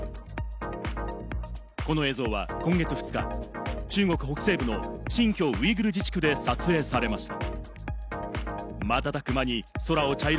この映像は今月２日、中国北西部の新疆ウイグル自治区で撮影されました。